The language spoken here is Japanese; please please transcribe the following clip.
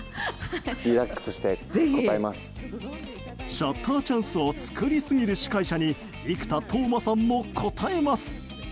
シャッターチャンスを作りすぎる司会者に生田斗真さんも応えます。